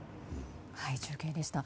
中継でした。